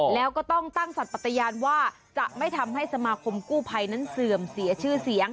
แล้วก็ต้องตั้งสัตว์ปัตยานว่าจะไม่ทำให้สมาคมกู้ภัยนั้นเสื่อมเสียชื่อเสียง